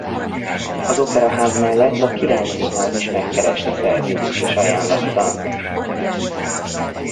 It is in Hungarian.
Az Operaház mellett a Király Színház is megkereste szerződéses ajánlattal.